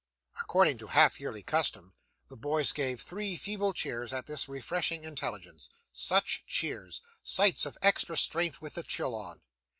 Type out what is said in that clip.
According to half yearly custom, the boys gave three feeble cheers at this refreshing intelligence. Such cheers! Sights of extra strength with the chill on.